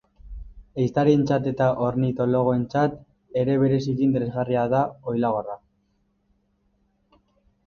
Ehiztarientzat eta ornitologoentzat ere bereziki interesgarria da oilagorra.